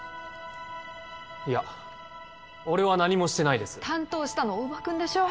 いや俺は何もしてないです担当したの大庭君でしょ？